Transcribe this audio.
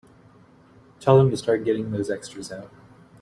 Tell them to start getting those extras out.